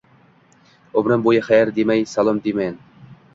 Umrim bo’yi xayr demay salom demay